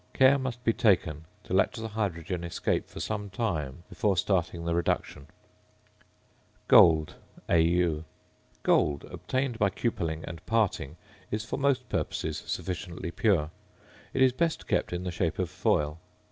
Care must be taken to let the hydrogen escape for some time before starting the reduction. [Illustration: FIG. 33.] ~Gold~, Au. Gold, obtained by cupelling and "parting," is for most purposes sufficiently pure. It is best kept in the shape of foil.